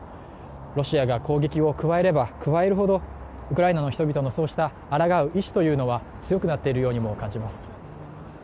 ロシアが攻撃を加えれば加えるほどウクライナの人々のそうしたあらがう意思というのは強くなっているように感じます。